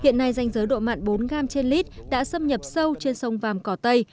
hiện nay danh giới độ mặn bốn gram trên lít đã xâm nhập sâu trên sông vàm cỏ tây